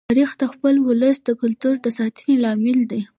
تاریخ د خپل ولس د کلتور د ساتنې لامل دی.